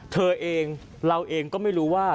เธอเองเราเองก็ไม่รู้ว่า